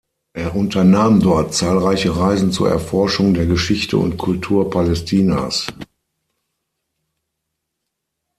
Er unternahm dort zahlreiche Reisen zur Erforschung der Geschichte und Kultur Palästinas.